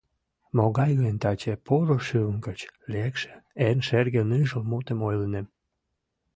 Могай гын таче поро шӱм гыч лекше Эн шерге ныжыл мутым ойлынем…